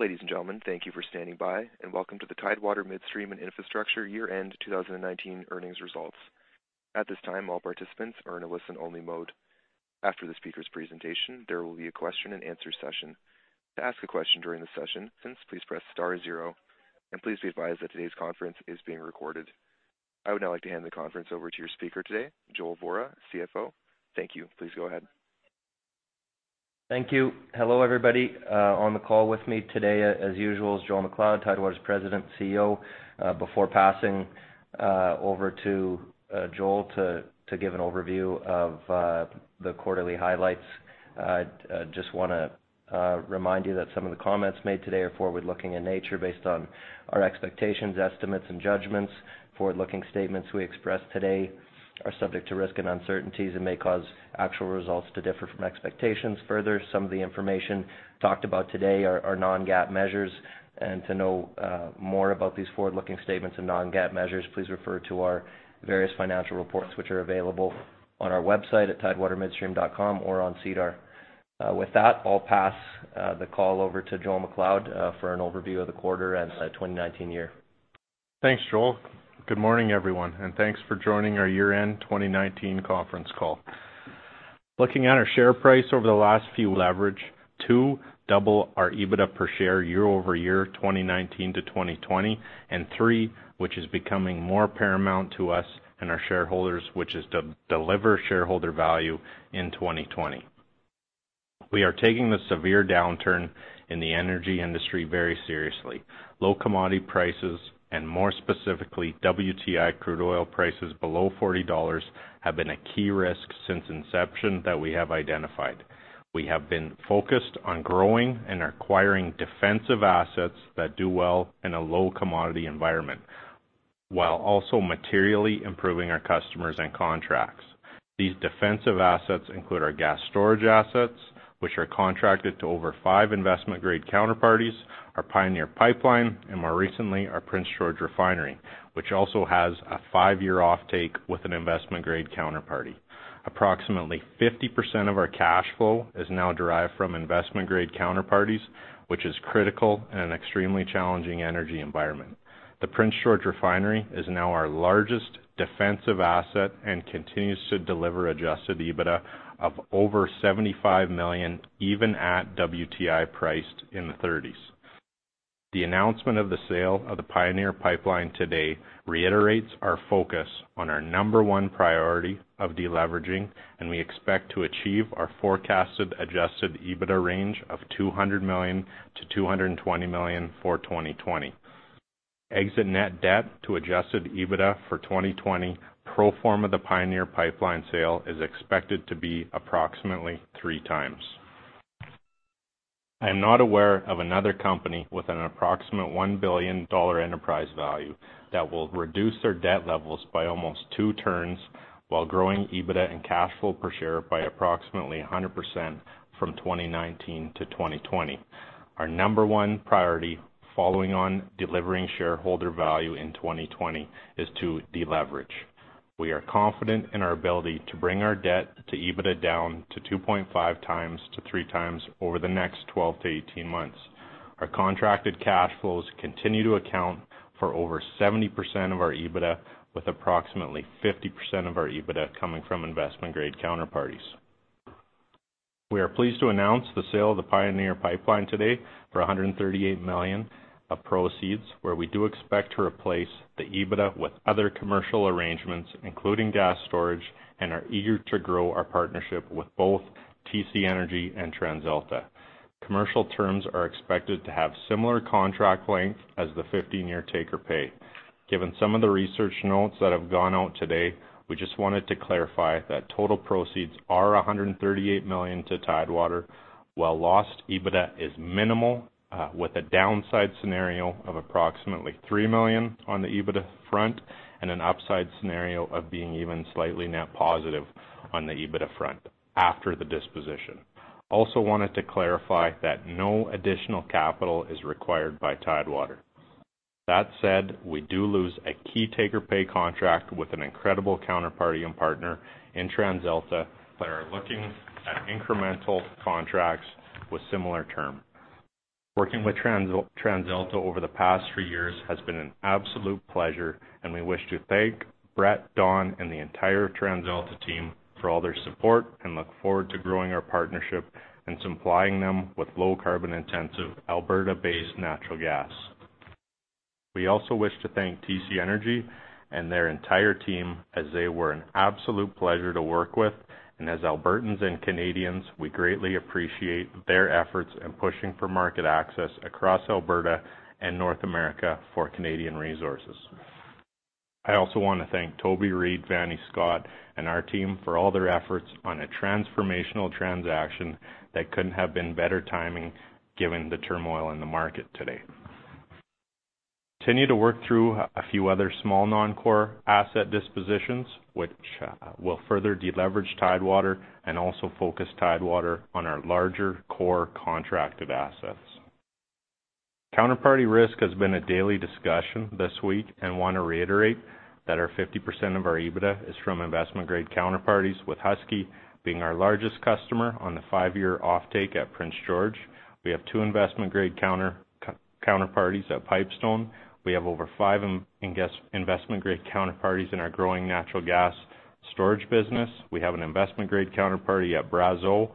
Ladies and gentlemen, thank you for standing by, and welcome to the Tidewater Midstream and Infrastructure year-end 2019 earnings results. At this time, all participants are in a listen-only mode. After the speaker's presentation, there will be a question and answer session. To ask a question during the session, please press star zero, and please be advised that today's conference is being recorded. I would now like to hand the conference over to your speaker today, Joel Vorra, CFO. Thank you. Please go ahead. Thank you. Hello, everybody. On the call with me today, as usual, is Joel MacLeod, Tidewater's President and CEO. Before passing over to Joel to give an overview of the quarterly highlights, I just want to remind you that some of the comments made today are forward-looking in nature based on our expectations, estimates, and judgments. Forward-looking statements we express today are subject to risks and uncertainties and may cause actual results to differ from expectations. Further, some of the information talked about today are non-GAAP measures. To know more about these forward-looking statements and non-GAAP measures, please refer to our various financial reports, which are available on our website at tidewatermidstream.com or on SEDAR. With that, I'll pass the call over to Joel MacLeod for an overview of the quarter and the 2019 year. Thanks, Joel. Good morning, everyone, and thanks for joining our year-end 2019 conference call. leverage. Two, double our EBITDA per share year-over-year 2019 to 2020. Three, which is becoming more paramount to us and our shareholders, which is to deliver shareholder value in 2020. We are taking the severe downturn in the energy industry very seriously. Low commodity prices, and more specifically, WTI crude oil prices below 40 dollars, have been a key risk since inception that we have identified. We have been focused on growing and acquiring defensive assets that do well in a low-commodity environment, while also materially improving our customers and contracts. These defensive assets include our gas storage assets, which are contracted to over five investment-grade counterparties, our Pioneer Pipeline, and more recently, our Prince George Refinery, which also has a five-year offtake with an investment-grade counterparty. Approximately 50% of our cash flow is now derived from investment-grade counterparties, which is critical in an extremely challenging energy environment. The Prince George Refinery is now our largest defensive asset and continues to deliver adjusted EBITDA of over 75 million, even at WTI priced in the $30s. We expect to achieve our forecasted adjusted EBITDA range of 200 million to 220 million for 2020. Exit net debt to adjusted EBITDA for 2020 pro forma the Pioneer Pipeline sale is expected to be approximately 3x. I am not aware of another company with an approximate 1 billion dollar enterprise value that will reduce their debt levels by almost two turns while growing EBITDA and cash flow per share by approximately 100% from 2019 to 2020. Our number one priority following on delivering shareholder value in 2020 is to deleverage. We are confident in our ability to bring our debt to EBITDA down to 2.5x to 3x over the next 12-18 months. Our contracted cash flows continue to account for over 70% of our EBITDA, with approximately 50% of our EBITDA coming from investment-grade counterparties. We are pleased to announce the sale of the Pioneer Pipeline today for 138 million of proceeds, where we do expect to replace the EBITDA with other commercial arrangements, including gas storage, and are eager to grow our partnership with both TC Energy and TransAlta. Commercial terms are expected to have similar contract length as the 15-year take-or-pay. Given some of the research notes that have gone out today, we just wanted to clarify that total proceeds are 138 million to Tidewater, while lost EBITDA is minimal, with a downside scenario of approximately 3 million on the EBITDA front and an upside scenario of being even slightly net positive on the EBITDA front after the disposition. Also wanted to clarify that no additional capital is required by Tidewater. That said, we do lose a key take-or-pay contract with an incredible counterparty and partner in TransAlta, but are looking at incremental contracts with similar terms. Working with TransAlta over the past three years has been an absolute pleasure. We wish to thank Brett, Don, and the entire TransAlta team for all their support and look forward to growing our partnership and supplying them with low-carbon intensive Alberta-based natural gas. We also wish to thank TC Energy and their entire team, as they were an absolute pleasure to work with. As Albertans and Canadians, we greatly appreciate their efforts in pushing for market access across Alberta and North America for Canadian resources. I also want to thank Toby Reid, Fanni Scott, and our team for all their efforts on a transformational transaction that couldn't have been better timing given the turmoil in the market today. Continue to work through a few other small non-core asset dispositions, which will further deleverage Tidewater and also focus Tidewater on our larger core contracted assets. We want to reiterate that our 50% of our EBITDA is from investment-grade counterparties, with Husky being our largest customer on the five-year offtake at Prince George. We have two investment-grade counterparties at Pipestone. We have over five investment-grade counterparties in our growing natural gas storage business. We have an investment-grade counterparty at Brazos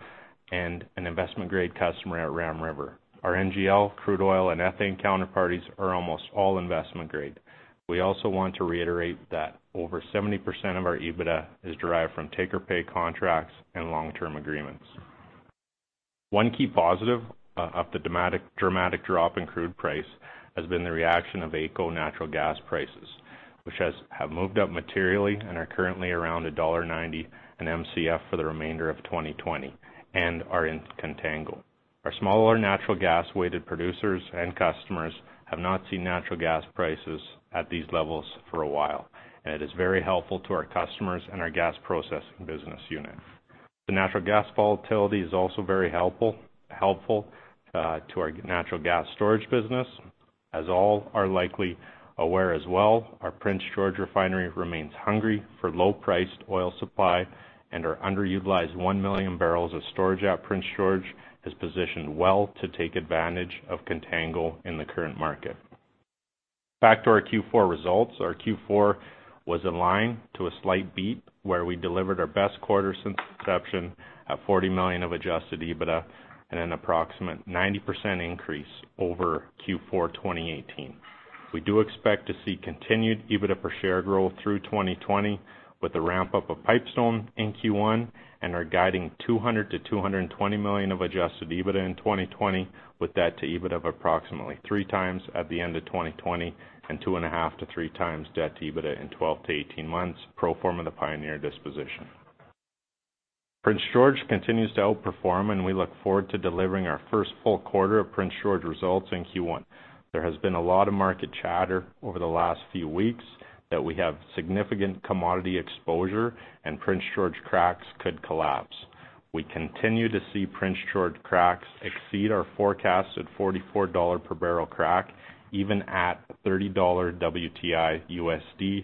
and an investment-grade customer at Ram River. Our NGL, crude oil, and ethane counterparties are almost all investment-grade. We also want to reiterate that over 70% of our EBITDA is derived from take-or-pay contracts and long-term agreements. One key positive of the dramatic drop in crude price has been the reaction of AECO natural gas prices, which have moved up materially and are currently around dollar 1.90 an Mcf for the remainder of 2020 and are in contango. Our smaller natural gas-weighted producers and customers have not seen natural gas prices at these levels for a while, and it is very helpful to our customers and our gas processing business unit. The natural gas volatility is also very helpful to our natural gas storage business. As all are likely aware as well, our Prince George Refinery remains hungry for low-priced oil supply and our underutilized 1 million barrels of storage at Prince George is positioned well to take advantage of contango in the current market. Back to our Q4 results. Our Q4 was in line to a slight beat where we delivered our best quarter since inception at 40 million of adjusted EBITDA and an approximate 90% increase over Q4 2018. We do expect to see continued EBITDA per share growth through 2020 with the ramp-up of Pipestone in Q1 and are guiding 200 million-220 million of adjusted EBITDA in 2020, with debt to EBITDA of approximately 3x at the end of 2020 and 2.5-3x debt to EBITDA in 12-18 months, pro forma the Pioneer disposition. Prince George continues to outperform and we look forward to delivering our first full quarter of Prince George results in Q1. There has been a lot of market chatter over the last few weeks that we have significant commodity exposure and Prince George cracks could collapse. We continue to see Prince George cracks exceed our forecast at CAD 44 per barrel crack, even at $30 WTI USD.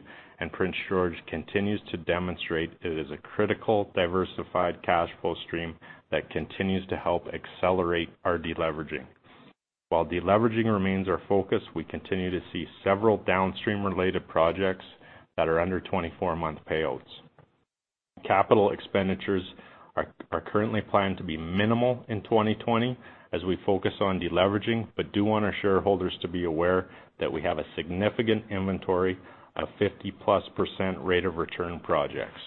Prince George continues to demonstrate it is a critical, diversified cash flow stream that continues to help accelerate our deleveraging. While deleveraging remains our focus, we continue to see several downstream-related projects that are under 24-month payouts. Capital expenditures are currently planned to be minimal in 2020 as we focus on deleveraging. We do want our shareholders to be aware that we have a significant inventory of 50%+ rate of return projects.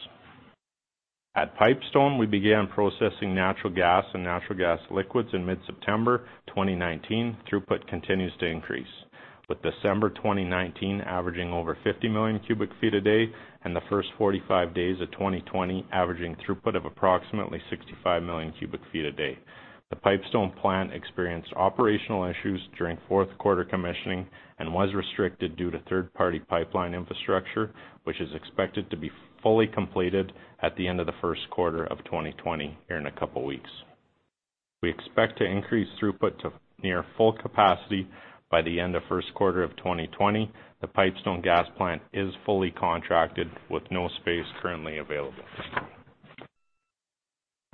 At Pipestone, we began processing natural gas and natural gas liquids in mid-September 2019. Throughput continues to increase, with December 2019 averaging over 50 million cubic feet a day and the first 45 days of 2020 averaging throughput of approximately 65 million cubic feet a day. The Pipestone plant experienced operational issues during fourth quarter commissioning and was restricted due to third-party pipeline infrastructure, which is expected to be fully completed at the end of the first quarter of 2020, here in a couple of weeks. We expect to increase throughput to near full capacity by the end of first quarter of 2020. The Pipestone gas plant is fully contracted with no space currently available.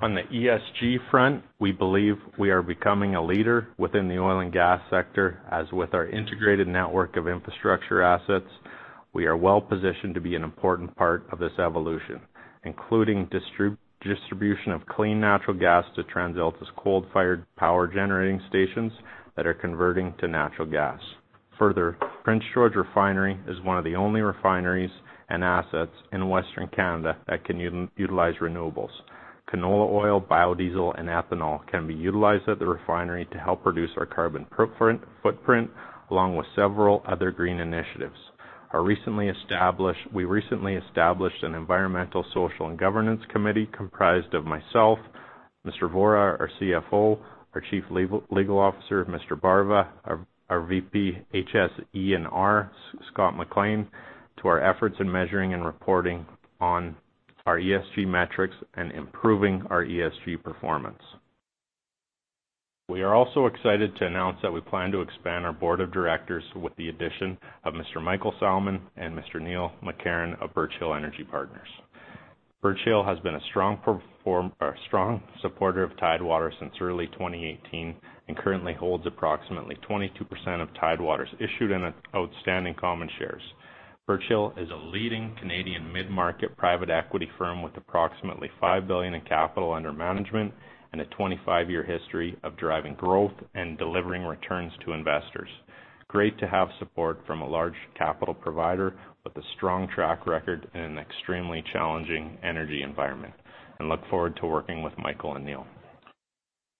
On the ESG front, we believe we are becoming a leader within the oil and gas sector, as with our integrated network of infrastructure assets, we are well-positioned to be an important part of this evolution, including distribution of clean natural gas to TransAlta's coal-fire power generating stations that are converting to natural gas. Further, Prince George Refinery is one of the only refineries and assets in Western Canada that can utilize renewables. Canola oil, biodiesel, and ethanol can be utilized at the refinery to help reduce our carbon footprint along with several other green initiatives. We recently established an environmental, social, and governance committee comprised of myself, Mr. Vorra, our CFO, our Chief Legal Officer, Mr. Barva, our VP HSER, Scott McLean, to our efforts in measuring and reporting on our ESG metrics and improving our ESG performance. We are also excited to announce that we plan to expand our board of directors with the addition of Mr. Michael Salamon and Mr. Neil McCarron of Birch Hill Equity Partners. Birch Hill has been a strong supporter of Tidewater since early 2018 and currently holds approximately 22% of Tidewater's issued and outstanding common shares. Birch Hill is a leading Canadian mid-market private equity firm with approximately 5 billion in capital under management and a 25-year history of driving growth and delivering returns to investors. Great to have support from a large capital provider with a strong track record in an extremely challenging energy environment and look forward to working with Michael and Neil.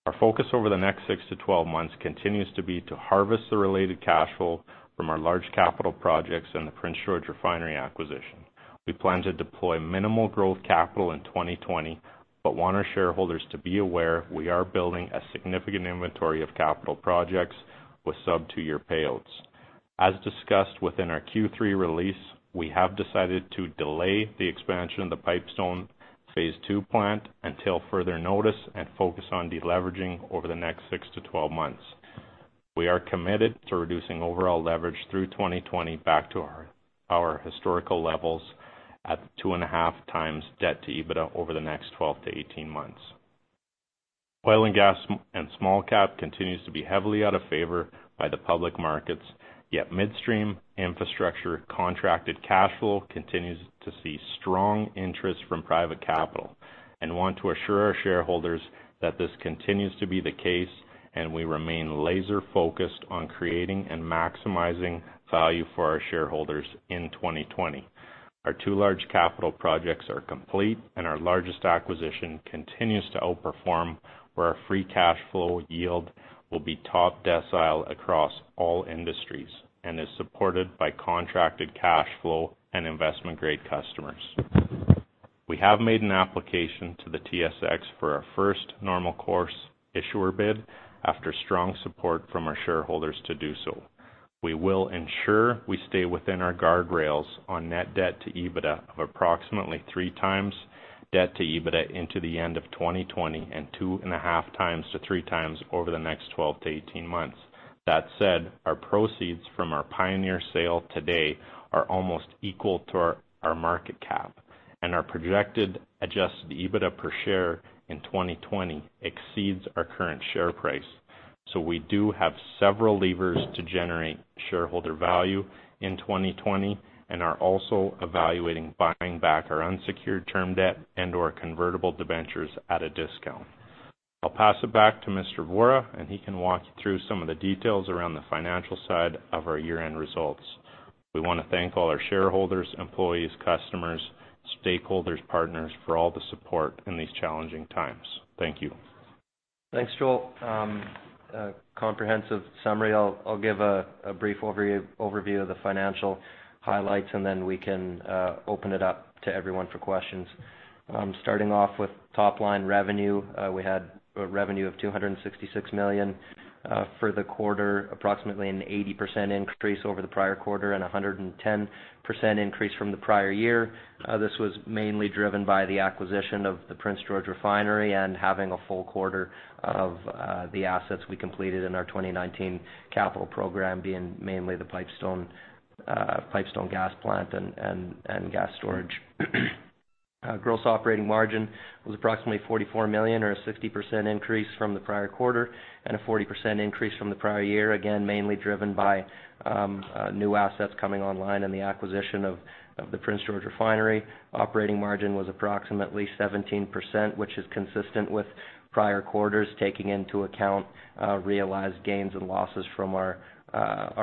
Our focus over the next 6-12 months continues to be to harvest the related cash flow from our large capital projects and the Prince George Refinery acquisition. We plan to deploy minimal growth capital in 2020, but want our shareholders to be aware we are building a significant inventory of capital projects with sub-two-year payouts. As discussed within our Q3 release, we have decided to delay the expansion of the Pipestone phase II plant until further notice and focus on deleveraging over the next 6-12 months. We are committed to reducing overall leverage through 2020 back to our historical levels at 2.5x debt to EBITDA over the next 12-18 months. Oil and gas and small cap continues to be heavily out of favor by the public markets, yet midstream infrastructure contracted cash flow continues to see strong interest from private capital. We want to assure our shareholders that this continues to be the case, and we remain laser-focused on creating and maximizing value for our shareholders in 2020. Our two large capital projects are complete, and our largest acquisition continues to outperform where our free cash flow yield will be top decile across all industries and is supported by contracted cash flow and investment-grade customers. We have made an application to the TSX for our first normal course issuer bid after strong support from our shareholders to do so. We will ensure we stay within our guardrails on net debt to EBITDA of approximately 3x debt to EBITDA into the end of 2020 and 2.5-3x over the next 12 to 18 months. That said, our proceeds from our Pioneer sale today are almost equal to our market cap, and our projected adjusted EBITDA per share in 2020 exceeds our current share price. We do have several levers to generate shareholder value in 2020 and are also evaluating buying back our unsecured term debt and/or convertible debentures at a discount. I'll pass it back to Mr. Vorra, and he can walk you through some of the details around the financial side of our year-end results. We want to thank all our shareholders, employees, customers, stakeholders, partners for all the support in these challenging times. Thank you. Thanks, Joel. Comprehensive summary. I'll give a brief overview of the financial highlights, and then we can open it up to everyone for questions. Starting off with top-line revenue, we had a revenue of 266 million for the quarter, approximately an 80% increase over the prior quarter and 110% increase from the prior year. This was mainly driven by the acquisition of the Prince George Refinery and having a full quarter of the assets we completed in our 2019 capital program, being mainly the Pipestone gas plant and gas storage. Gross operating margin was approximately 44 million or a 60% increase from the prior quarter and a 40% increase from the prior year, again, mainly driven by new assets coming online and the acquisition of the Prince George Refinery. Operating margin was approximately 17%, which is consistent with prior quarters, taking into account realized gains and losses from our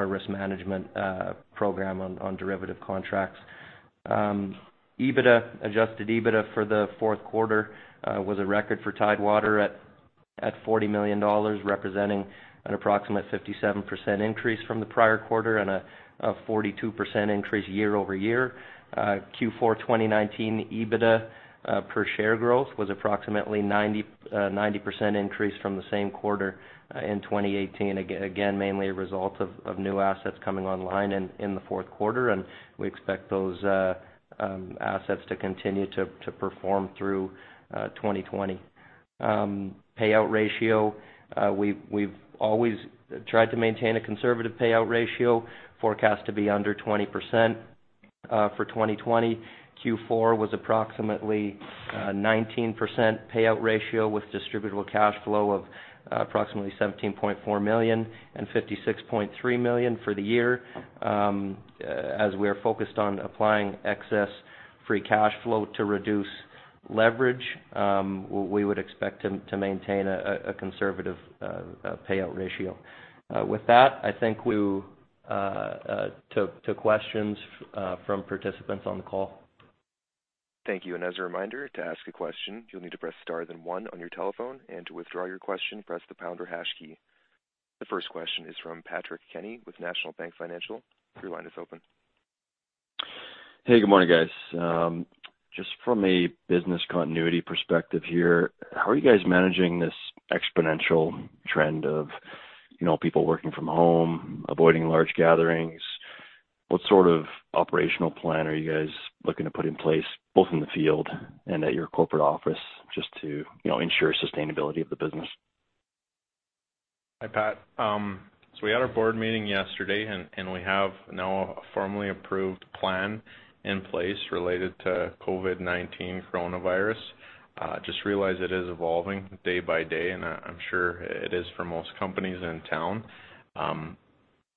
risk management program on derivative contracts. Adjusted EBITDA for the fourth quarter was a record for Tidewater at 40 million dollars, representing an approximate 57% increase from the prior quarter and a 42% increase year-over-year. Q4 2019 EBITDA per share growth was approximately 90% increase from the same quarter in 2018. Again, mainly a result of new assets coming online in the fourth quarter. We expect those assets to continue to perform through 2020. Payout ratio. We've always tried to maintain a conservative payout ratio forecast to be under 20% for 2020. Q4 was approximately 19% payout ratio with distributable cash flow of approximately 17.4 million and 56.3 million for the year. As we are focused on applying excess free cash flow to reduce leverage, we would expect to maintain a conservative payout ratio. With that, I think we'll take questions from participants on the call. Thank you. As a reminder, to ask a question, you'll need to press star then one on your telephone, and to withdraw your question, press the pound or hash key. The first question is from Patrick Kenny with National Bank Financial. Your line is open. Hey, good morning, guys. Just from a business continuity perspective here, how are you guys managing this exponential trend of people working from home, avoiding large gatherings? What sort of operational plan are you guys looking to put in place, both in the field and at your corporate office, just to ensure sustainability of the business? Hi, Pat. We had our board meeting yesterday, and we have now a formally approved plan in place related to COVID-19 coronavirus. Just realize it is evolving day by day, and I'm sure it is for most companies in town.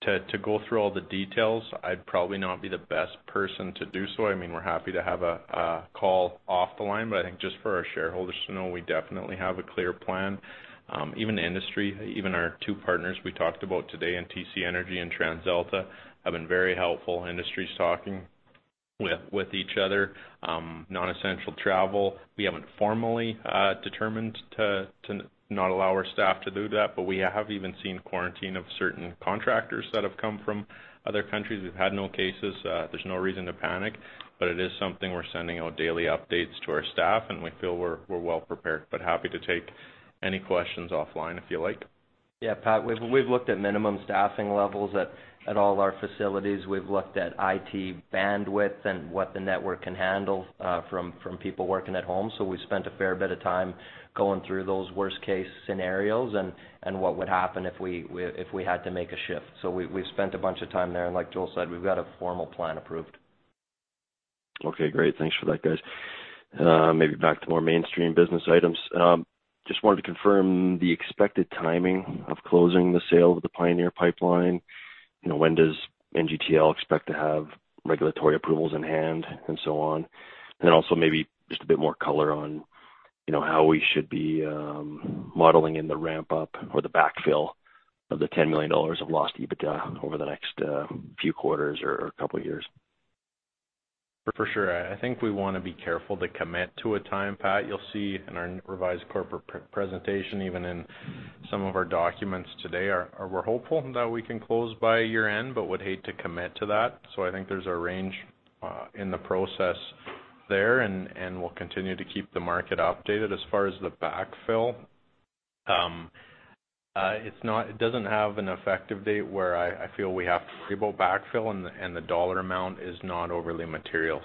To go through all the details, I'd probably not be the best person to do so. We're happy to have a call off the line, but I think just for our shareholders to know, we definitely have a clear plan. Even the industry, even our two partners we talked about today in TC Energy and TransAlta, have been very helpful. Industry's talking with each other. Non-essential travel, we haven't formally determined to not allow our staff to do that, but we have even seen quarantine of certain contractors that have come from other countries. We've had no cases. There's no reason to panic, but it is something we're sending out daily updates to our staff, and we feel we're well prepared. Happy to take any questions offline if you like. Yeah, Pat, we've looked at minimum staffing levels at all our facilities. We've looked at IT bandwidth and what the network can handle from people working at home. We've spent a fair bit of time going through those worst case scenarios and what would happen if we had to make a shift. We've spent a bunch of time there, and like Joel said, we've got a formal plan approved. Okay, great. Thanks for that, guys. Maybe back to more mainstream business items. Just wanted to confirm the expected timing of closing the sale of the Pioneer Pipeline. When does NGTL expect to have regulatory approvals in hand and so on? Maybe just a bit more color on how we should be modeling in the ramp-up or the backfill of the 10 million dollars of lost EBITDA over the next few quarters or couple years. For sure. I think we want to be careful to commit to a time, Pat. You'll see in our revised corporate presentation, even in some of our documents today, we're hopeful that we can close by year-end, but would hate to commit to that. I think there's a range in the process there, and we'll continue to keep the market updated. As far as the backfill, it doesn't have an effective date where I feel we have to worry about backfill, and the dollar amount is not overly material.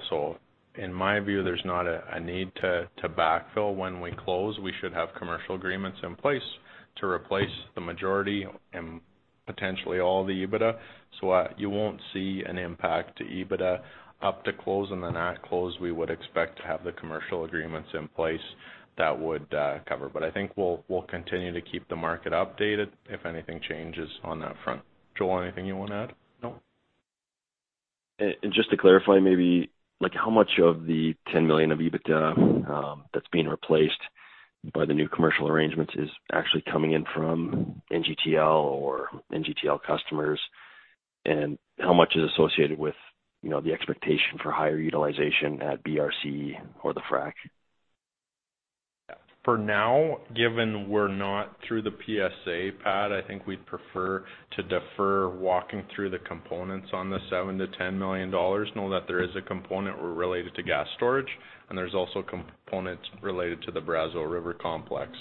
In my view, there's not a need to backfill. When we close, we should have commercial agreements in place to replace the majority and potentially all the EBITDA. You won't see an impact to EBITDA up to close. At close, we would expect to have the commercial agreements in place that would cover. I think we'll continue to keep the market updated if anything changes on that front. Joel, anything you want to add? No. Just to clarify, maybe, how much of the 10 million of EBITDA that's being replaced by the new commercial arrangements is actually coming in from NGTL or NGTL customers? How much is associated with the expectation for higher utilization at BRC or the frack? For now, given we're not through the PSA, Pat, I think we'd prefer to defer walking through the components on the 7 million-10 million dollars. Know that there is a component related to gas storage, and there's also components related to the Brazeau River Complex.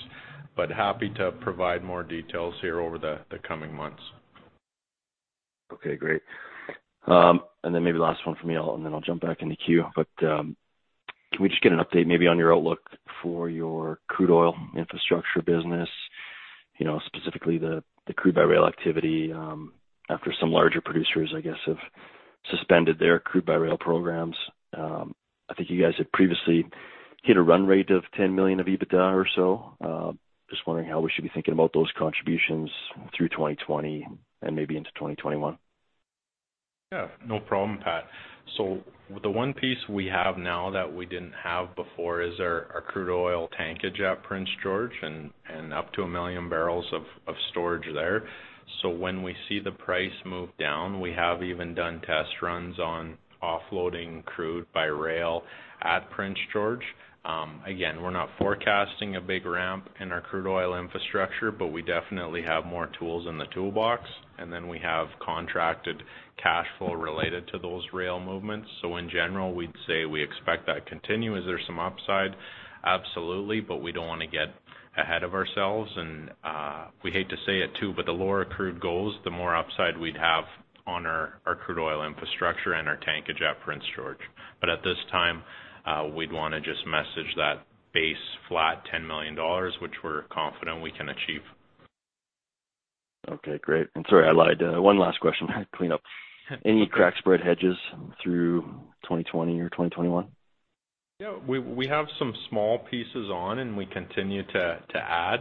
Happy to provide more details here over the coming months. Okay, great. Maybe last one from me, and then I'll jump back in the queue. Can we just get an update maybe on your outlook for your crude oil infrastructure business, specifically the crude by rail activity after some larger producers, I guess, have suspended their crude by rail programs. I think you guys had previously hit a run rate of 10 million of EBITDA or so. Just wondering how we should be thinking about those contributions through 2020 and maybe into 2021. Yeah, no problem, Pat. The one piece we have now that we didn't have before is our crude oil tankage at Prince George and up to 1 million barrels of storage there. When we see the price move down, we have even done test runs on offloading crude by rail at Prince George. Again, we're not forecasting a big ramp in our crude oil infrastructure, but we definitely have more tools in the toolbox. We have contracted cash flow related to those rail movements. In general, we'd say we expect that to continue. Is there some upside? Absolutely, but we don't want to get ahead of ourselves. We hate to say it, too, but the lower crude goes, the more upside we'd have on our crude oil infrastructure and our tankage at Prince George. At this time, we'd want to just message that base flat 10 million dollars, which we're confident we can achieve. Okay, great. Sorry, I lied. One last question. Clean up. Okay. Any crack spread hedges through 2020 or 2021? Yeah. We have some small pieces on, and we continue to add.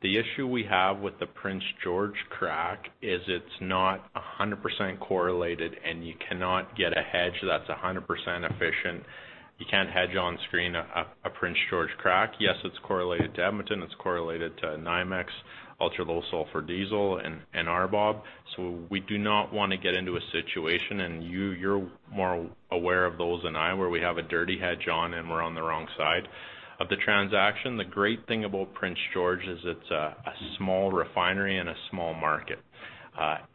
The issue we have with the Prince George crack is it's not 100% correlated, and you cannot get a hedge that's 100% efficient. You can't hedge on screen a Prince George crack. Yes, it's correlated to Edmonton, it's correlated to NYMEX ultra-low sulfur diesel and RBOB. We do not want to get into a situation, and you're more aware of those than I, where we have a dirty hedge on and we're on the wrong side of the transaction. The great thing about Prince George is it's a small refinery and a small market.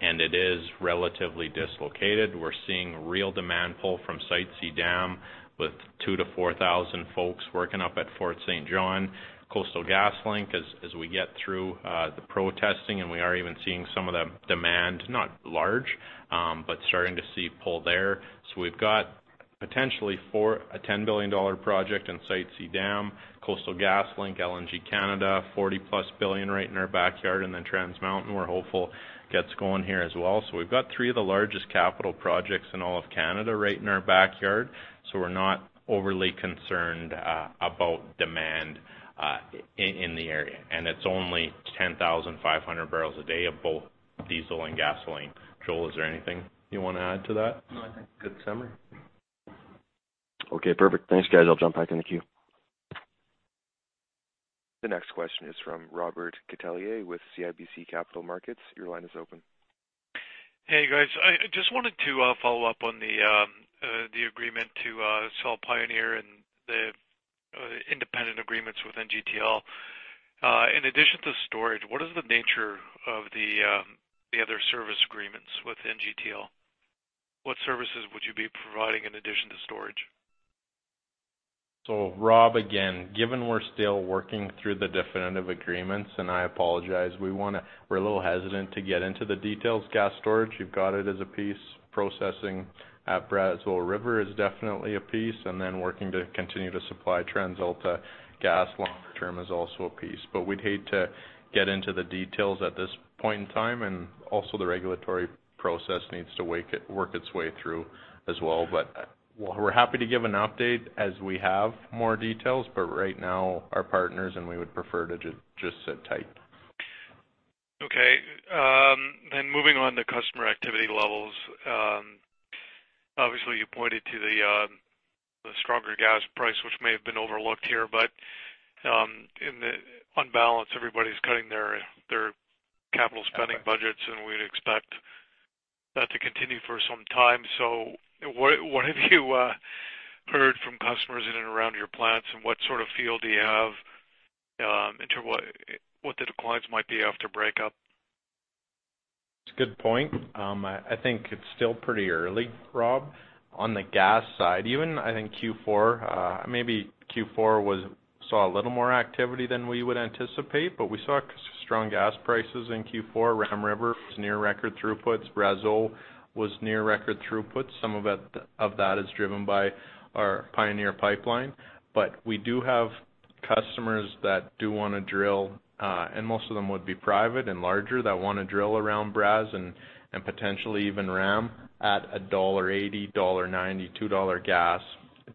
It is relatively dislocated. We're seeing real demand pull from Site C Dam with 2,000-4,000 folks working up at Fort St. John, Coastal GasLink, as we get through the protesting. We are even seeing some of the demand, not large, but starting to see pull there. We've got potentially a 10 billion dollar project in Site C Dam, Coastal GasLink, LNG Canada, 40+ billion right in our backyard. Trans Mountain we're hopeful gets going here as well. We've got three of the largest capital projects in all of Canada right in our backyard. We're not overly concerned about demand in the area, and it's only 10,500 barrels a day of both diesel and gasoline. Joel, is there anything you want to add to that? No, I think good summary. Okay, perfect. Thanks, guys. I'll jump back in the queue. The next question is from Robert Catellier with CIBC Capital Markets. Your line is open. Hey, guys. I just wanted to follow up on the agreement to sell Pioneer and the independent agreements with NGTL. In addition to storage, what is the nature of the other service agreements with NGTL? What services would you be providing in addition to storage? Rob, again, given we're still working through the definitive agreements, and I apologize, we're a little hesitant to get into the details. Gas storage, you've got it as a piece. Processing at Brazeau River is definitely a piece, and then working to continue to supply TransAlta gas longer term is also a piece. We'd hate to get into the details at this point in time, and also the regulatory process needs to work its way through as well. We're happy to give an update as we have more details, but right now our partners, and we would prefer to just sit tight. Okay. Moving on to customer activity levels. Obviously, you pointed to the stronger gas price, which may have been overlooked here, but on balance, everybody's cutting their capital spending budgets, and we'd expect that to continue for some time. What have you heard from customers in and around your plants, and what sort of feel do you have into what the declines might be after breakup? It's a good point. I think it's still pretty early, Rob, on the gas side. I think Q4, maybe Q4 saw a little more activity than we would anticipate, but we saw strong gas prices in Q4. Ram River was near record throughputs. Brazeau was near record throughput. Some of that is driven by our Pioneer Pipeline. We do have customers that do want to drill, and most of them would be private and larger, that want to drill around Brazeau and potentially even Ram at CAD 1.80, 1.90 dollar, 2 dollar gas,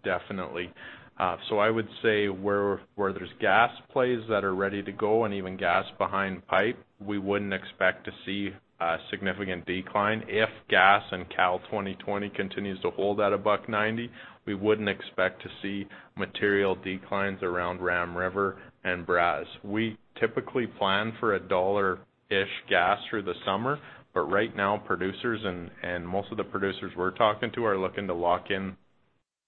definitely. I would say where there's gas plays that are ready to go and even gas behind pipe, we wouldn't expect to see a significant decline if gas and Cal 2020 continues to hold at 1.90, we wouldn't expect to see material declines around Ram River and Brazeau. We typically plan for a dollar-ish gas through the summer. Right now, producers and most of the producers we're talking to are looking to lock in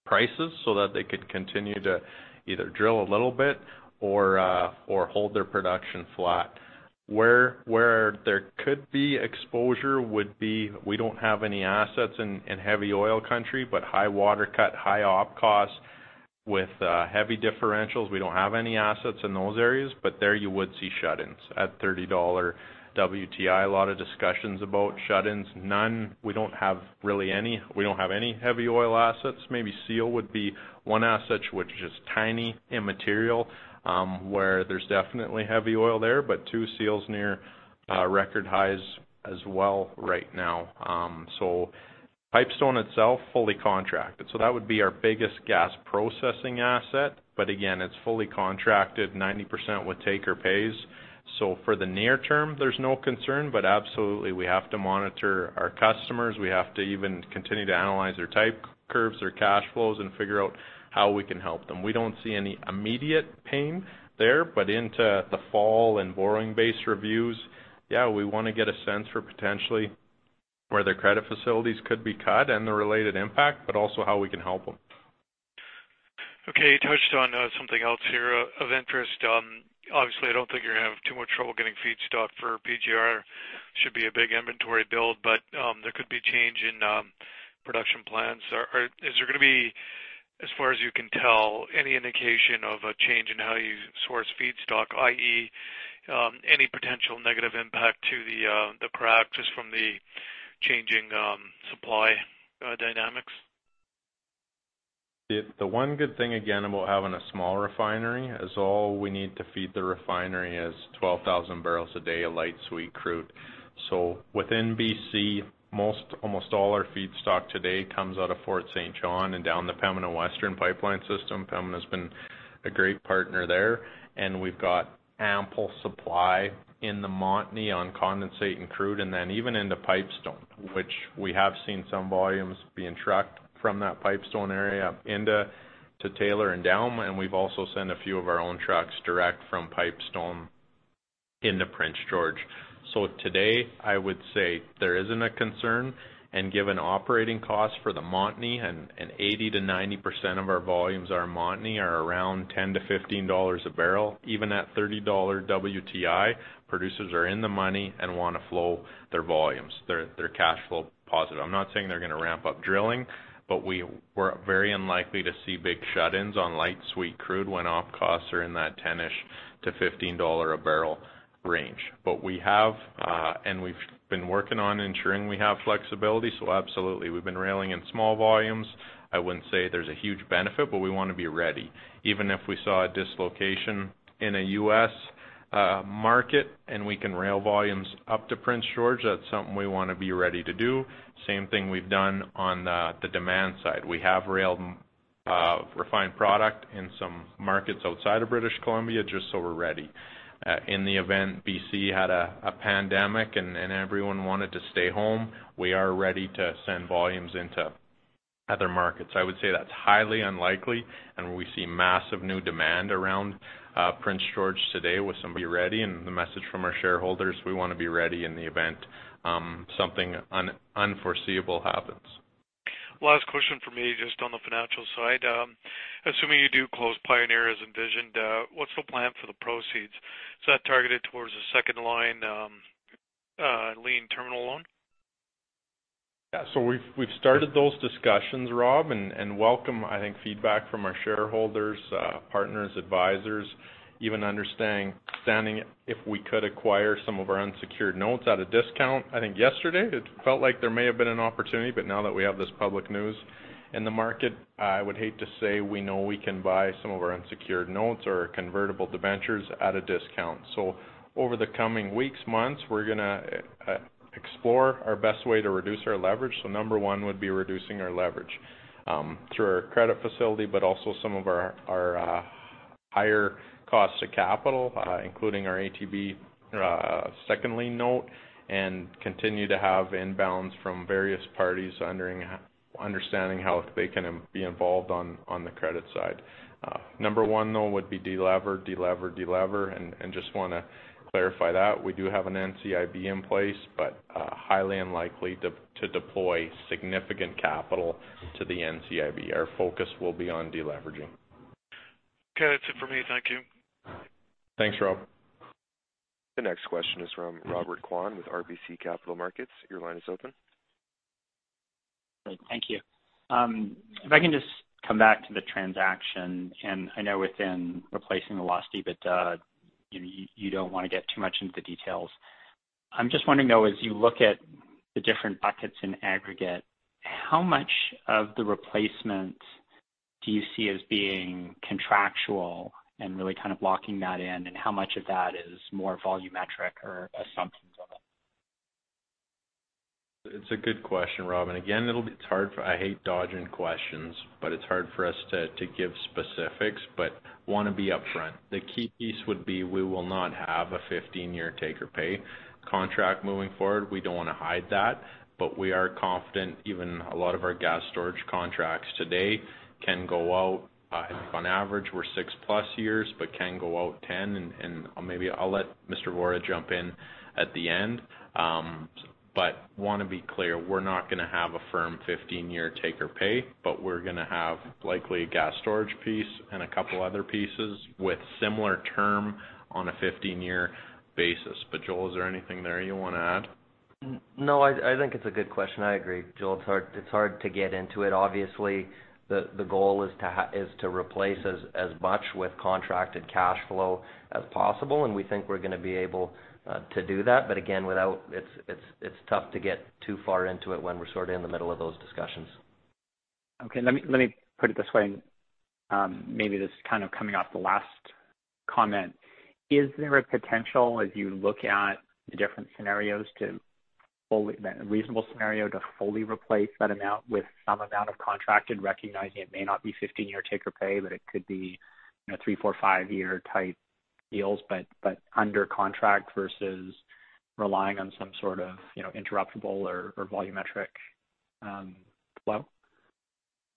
prices so that they could continue to either drill a little bit or hold their production flat. Where there could be exposure would be, we don't have any assets in heavy oil country, but high water cut, high op costs with heavy differentials. We don't have any assets in those areas, but there you would see shut-ins at $30 WTI. A lot of discussions about shut-ins. We don't have any heavy oil assets. Maybe Seal would be one asset which is tiny, immaterial, where there's definitely heavy oil there, but two Seals near record highs as well right now. Pipestone itself, fully contracted. That would be our biggest gas processing asset. Again, it's fully contracted 90% with take or pays. For the near term, there's no concern, but absolutely, we have to monitor our customers. We have to even continue to analyze their type curves, their cash flows, and figure out how we can help them. We don't see any immediate pain there, but into the fall and borrowing base reviews, yeah, we want to get a sense for potentially where their credit facilities could be cut and the related impact, but also how we can help them. Okay. You touched on something else here of interest. Obviously, I don't think you're going to have too much trouble getting feedstock for PGR. Should be a big inventory build, but there could be change in production plans. Is there going to be, as far as you can tell, any indication of a change in how you source feedstock, i.e., any potential negative impact to the crack just from the changing supply dynamics? The one good thing, again, about having a small refinery is all we need to feed the refinery is 12,000 barrels a day of light sweet crude. Within B.C., almost all our feedstock today comes out of Fort St. John and down the Pembina Western pipeline system. Pembina's been a great partner there, and we've got ample supply in the Montney on condensate and crude, and then even into Pipestone, which we have seen some volumes being trucked from that Pipestone area into Taylor and Dawson, and we've also sent a few of our own trucks direct from Pipestone into Prince George. Today, I would say there isn't a concern, and given operating costs for the Montney and 80%-90% of our volumes are Montney are around 10-15 dollars a barrel. Even at $30 WTI, producers are in the money and want to flow their volumes. They're cash flow positive. I'm not saying they're going to ramp up drilling, but we're very unlikely to see big shut-ins on light sweet crude when op costs are in that 10-ish to 15 dollar a barrel range. We have, and we've been working on ensuring we have flexibility. Absolutely, we've been railing in small volumes. I wouldn't say there's a huge benefit, but we want to be ready. Even if we saw a dislocation in a U.S. market and we can rail volumes up to Prince George, that's something we want to be ready to do. Same thing we've done on the demand side. We have railed refined product in some markets outside of British Columbia, just so we're ready. In the event BC had a pandemic and everyone wanted to stay home, we are ready to send volumes into other markets. I would say that's highly unlikely. We see massive new demand around Prince George today with somebody ready. The message from our shareholders, we want to be ready in the event something unforeseeable happens. Last question from me, just on the financial side. Assuming you do close Pioneer as envisioned, what's the plan for the proceeds? Is that targeted towards the second lien term loan? We've started those discussions, Rob, and welcome feedback from our shareholders, partners, advisors, even understanding if we could acquire some of our unsecured notes at a discount. I think yesterday it felt like there may have been an opportunity, but now that we have this public news in the market, I would hate to say we know we can buy some of our unsecured notes or convertible debentures at a discount. Over the coming weeks, months, we're going to explore our best way to reduce our leverage. Number one would be reducing our leverage through our credit facility, but also some of our higher costs to capital, including our ATB second lien note, and continue to have inbounds from various parties understanding how they can be involved on the credit side. Number one, though, would be de-lever. Just want to clarify that we do have an NCIB in place, but highly unlikely to deploy significant capital to the NCIB. Our focus will be on de-leveraging. Okay. That's it for me. Thank you. Thanks, Rob. The next question is from Robert Kwan with RBC Capital Markets. Your line is open. Great. Thank you. If I can just come back to the transaction, I know within replacing the loss, you don't want to get too much into the details. I just want to know, as you look at the different buckets in aggregate, how much of the replacement do you see as being contractual and really kind of locking that in, how much of that is more volumetric or assumptions of it? It's a good question, Rob, again, it's hard I hate dodging questions, it's hard for us to give specifics, want to be upfront. The key piece would be we will not have a 15-year take or pay contract moving forward. We don't want to hide that, we are confident even a lot of our gas storage contracts today can go out. I think on average we're six-plus years, can go out 10, maybe I'll let Joel Vorra jump in at the end. Want to be clear, we're not going to have a firm 15-year take or pay, we're going to have likely a gas storage piece and a couple other pieces with similar term on a 15-year basis. Joel, is there anything there you want to add? I think it's a good question. I agree, Joel, it's hard to get into it. Obviously, the goal is to replace as much with contracted cash flow as possible, and we think we're going to be able to do that. Again, it's tough to get too far into it when we're sort of in the middle of those discussions. Okay. Let me put it this way, and maybe this is kind of coming off the last comment. Is there a potential, as you look at the different scenarios, a reasonable scenario, to fully replace that amount with some amount of contracted, recognizing it may not be 15-year take or pay, but it could be three, four, five-year type deals, but under contract versus relying on some sort of interruptible or volumetric flow?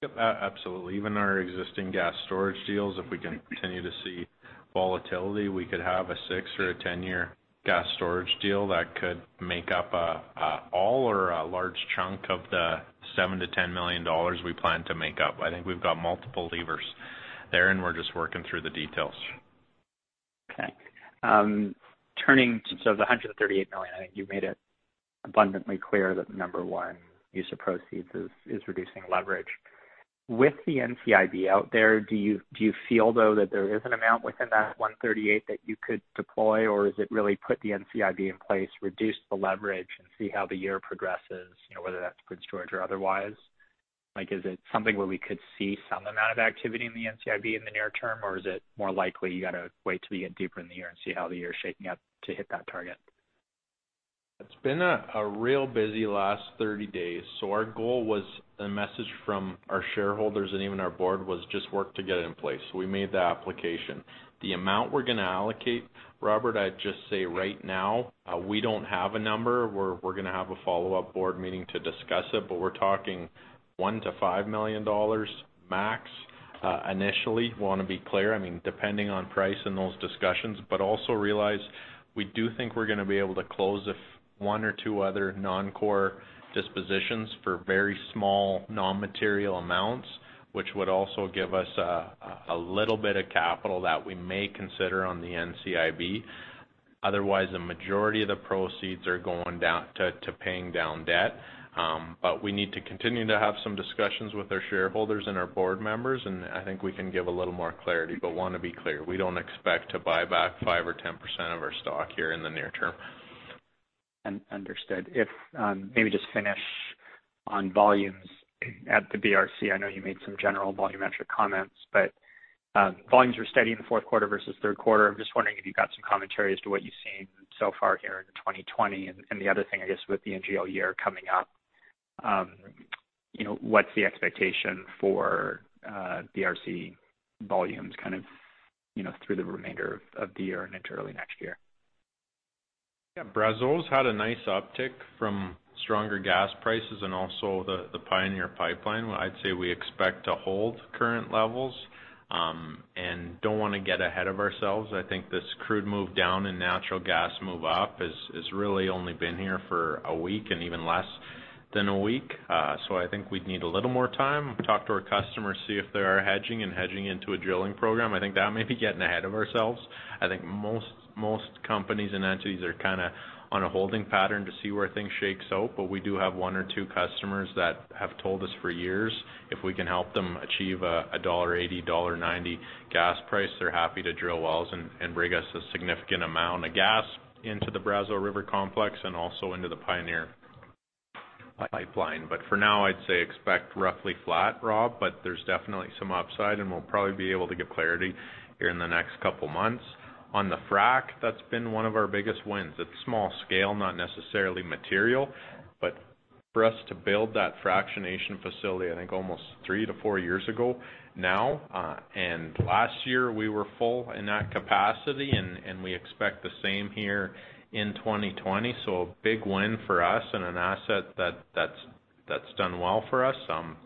Yep, absolutely. Even our existing gas storage deals, if we can continue to see volatility, we could have a six or a 10-year gas storage deal that could make up all or a large chunk of the 7 million-10 million dollars we plan to make up. I think we've got multiple levers there. We're just working through the details. Okay. The 138 million, I think you've made it abundantly clear that number one use of proceeds is reducing leverage. With the NCIB out there, do you feel though that there is an amount within that 138 that you could deploy, or is it really put the NCIB in place, reduce the leverage, and see how the year progresses, whether that's good storage or otherwise? Is it something where we could see some amount of activity in the NCIB in the near term, or is it more likely you got to wait till we get deeper in the year and see how the year's shaping up to hit that target? It's been a real busy last 30 days. Our goal was, a message from our shareholders and even our board, was just work to get it in place. We made the application. The amount we're going to allocate, Robert, I'd just say right now, we don't have a number. We're going to have a follow-up board meeting to discuss it, but we're talking 1 million-5 million dollars max initially. Want to be clear, depending on price in those discussions, but also realize we do think we're going to be able to close one or two other non-core dispositions for very small, non-material amounts, which would also give us a little bit of capital that we may consider on the NCIB. Otherwise, the majority of the proceeds are going to paying down debt. We need to continue to have some discussions with our shareholders and our board members, and I think we can give a little more clarity, but want to be clear, we don't expect to buy back 5% or 10% of our stock here in the near term. Understood. Maybe just finish on volumes at the BRC. I know you made some general volumetric comments, volumes were steady in the fourth quarter versus third quarter. I'm just wondering if you've got some commentary as to what you've seen so far here in 2020. The other thing, I guess, with the NGL year coming up, what's the expectation for BRC volumes through the remainder of the year and into early next year? Yeah. Brazeau's had a nice uptick from stronger gas prices and also the Pioneer Pipeline. I'd say we expect to hold current levels. Don't want to get ahead of ourselves. I think this crude move down and natural gas move up has really only been here for a week and even less than a week. I think we'd need a little more time, talk to our customers, see if they are hedging and hedging into a drilling program. I think that may be getting ahead of ourselves. I think most companies and entities are on a holding pattern to see where things shakes out, we do have one or two customers that have told us for years, if we can help them achieve a 1.80 dollar, 1.90 gas price, they're happy to drill wells and bring us a significant amount of gas into the Brazeau River Complex and also into the Pioneer Pipeline. For now, I'd say expect roughly flat, Rob, there's definitely some upside, and we'll probably be able to get clarity here in the next couple of months. On the frack, that's been one of our biggest wins. It's small scale, not necessarily material. For us to build that fractionation facility, I think almost three to four years ago now. Last year we were full in that capacity and we expect the same here in 2020. A big win for us and an asset that's done well for us.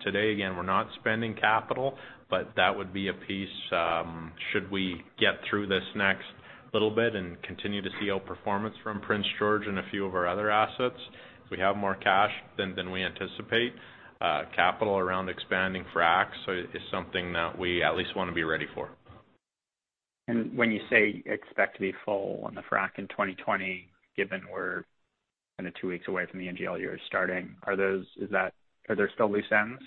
Today, again, we're not spending capital, but that would be a piece, should we get through this next little bit and continue to see outperformance from Prince George and a few of our other assets. If we have more cash than we anticipate, capital around expanding fracs is something that we at least want to be ready for. When you say expect to be full on the frac in 2020, given we're two weeks away from the NGL year starting, are there still loose ends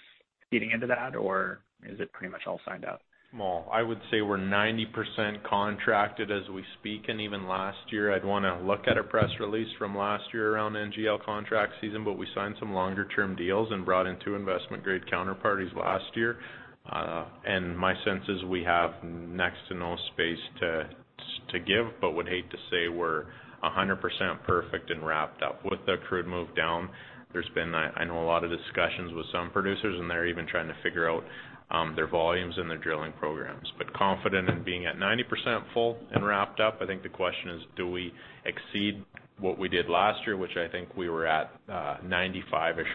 feeding into that, or is it pretty much all signed up? Well, I would say we're 90% contracted as we speak. Even last year, I'd want to look at a press release from last year around NGL contract season. We signed some longer-term deals and brought in two investment-grade counterparties last year. My sense is we have next to no space to give. Would hate to say we're 100% perfect and wrapped up. With the crude move down, there's been, I know, a lot of discussions with some producers. They're even trying to figure out their volumes and their drilling programs. Confident in being at 90% full and wrapped up. I think the question is, do we exceed what we did last year, which I think we were at 95%ish.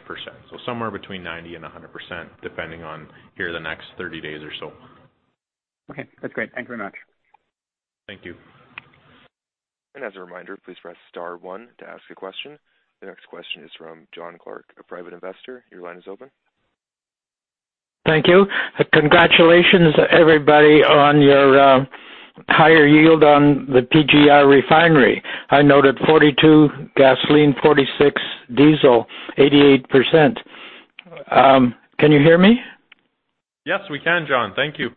Somewhere between 90% and 100%, depending on here the next 30 days or so. Okay. That's great. Thank you very much. Thank you. As a reminder, please press star one to ask a question. The next question is from John Clark, a private investor. Your line is open. Thank you. Congratulations, everybody, on your higher yield on the PGR refinery. I noted 42 gasoline, 46 diesel, 88%. Can you hear me? Yes, we can, John. Thank you.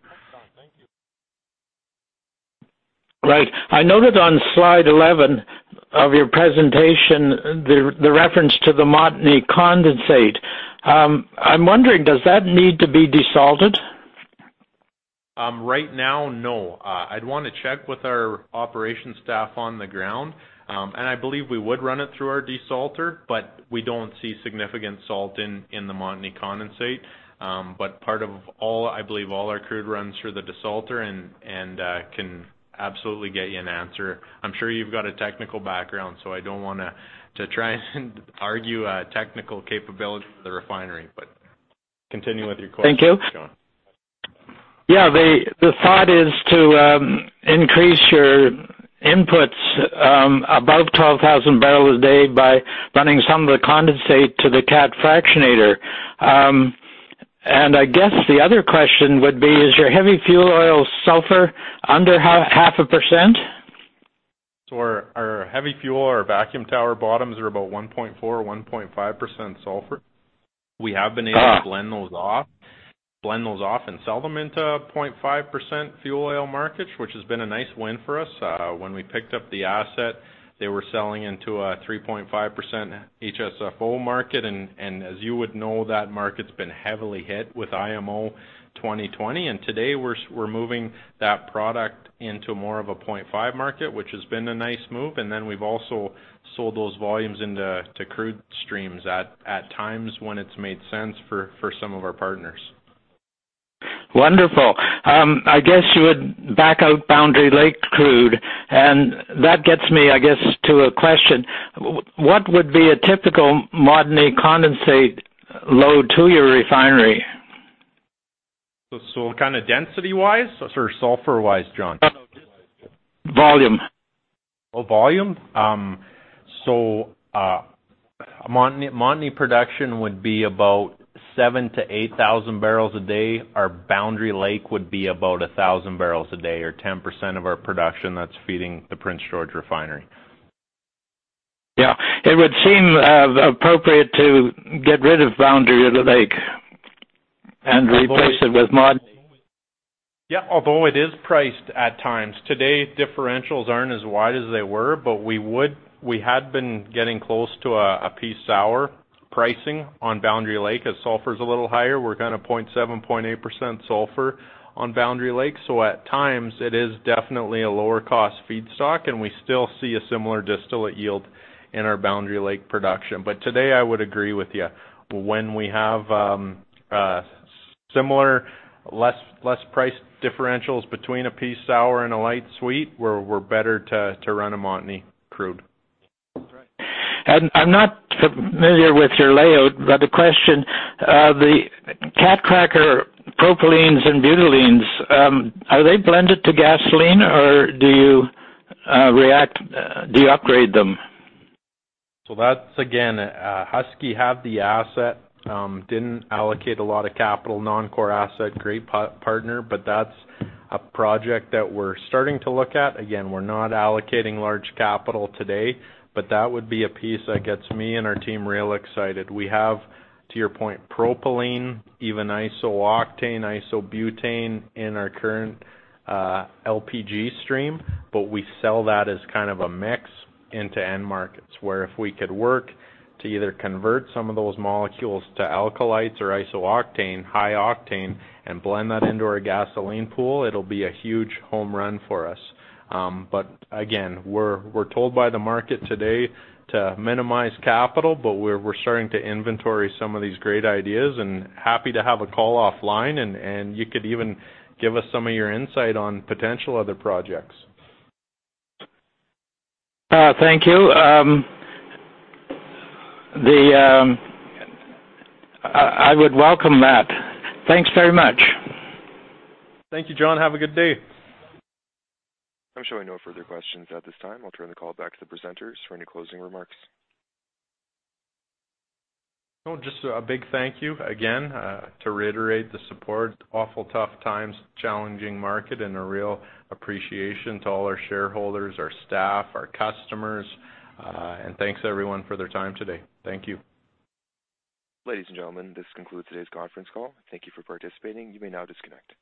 Right. I noted on slide 11 of your presentation, the reference to the Montney condensate. I'm wondering, does that need to be desalted? Right now, no. I'd want to check with our operations staff on the ground. I believe we would run it through our desalter, but we don't see significant salt in the Montney condensate. Part of all, I believe all our crude runs through the desalter and can absolutely get you an answer. I'm sure you've got a technical background, so I don't want to try and argue a technical capability of the refinery, but continue with your question, John. Thank you. Yeah, the thought is to increase your inputs above 12,000 barrels a day by running some of the condensate to the cat cracker. I guess the other question would be, is your heavy fuel oil sulfur under half a percent? Our heavy fuel or vacuum tower bottoms are about 1.4% or 1.5% sulfur. We have been able to blend those off and sell them into a 0.5% fuel oil market, which has been a nice win for us. When we picked up the asset, they were selling into a 3.5% HSFO market. As you would know, that market's been heavily hit with IMO 2020. Today we're moving that product into more of a 0.5% market, which has been a nice move. Then we've also sold those volumes into crude streams at times when it's made sense for some of our partners. Wonderful. I guess you would back out Boundary Lake crude. That gets me, I guess, to a question. What would be a typical Montney condensate load to your refinery? Density-wise or sulfur-wise, John? Volume. Volume? Montney production would be about 7,000-8,000 barrels a day. Our Boundary Lake would be about 1,000 barrels a day or 10% of our production that's feeding the Prince George Refinery. Yeah. It would seem appropriate to get rid of Boundary Lake and replace it with Montney. Yeah. It is priced at times. Today, differentials aren't as wide as they were, but we had been getting close to a Peace sour pricing on Boundary Lake as sulfur is a little higher. We're kind of 0.7%, 0.8% sulfur on Boundary Lake. At times it is definitely a lower cost feedstock, and we still see a similar distillate yield in our Boundary Lake production. Today, I would agree with you. When we have similar, less price differentials between a Peace sour and a light sweet, we're better to run a Montney crude. That's right. I'm not familiar with your layout, but the question, the cat cracker propylene and butylenes, are they blended to gasoline or do you de-upgrade them? That's again, Husky have the asset. Didn't allocate a lot of capital, non-core asset, great partner, but that's a project that we're starting to look at. Again, we're not allocating large capital today, but that would be a piece that gets me and our team real excited. We have, to your point, propylene, even iso-octane, iso-butane in our current LPG stream, but we sell that as a mix into end markets. Where if we could work to either convert some of those molecules to alkylates or iso-octane, high octane, and blend that into our gasoline pool, it'll be a huge home run for us. Again, we're told by the market today to minimize capital, but we're starting to inventory some of these great ideas and happy to have a call offline, and you could even give us some of your insight on potential other projects. Thank you. I would welcome that. Thanks very much. Thank you, John. Have a good day. I'm showing no further questions at this time. I'll turn the call back to the presenters for any closing remarks. Just a big thank you again, to reiterate the support. Awful tough times, challenging market, and a real appreciation to all our shareholders, our staff, our customers. Thanks everyone for their time today. Thank you. Ladies and gentlemen, this concludes today's conference call. Thank you for participating. You may now disconnect.